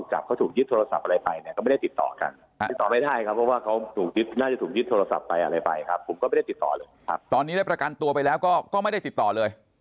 หลังที่เขาถูกจับเนี่ยผมไม่เคยไปเจอเขาอีกเลย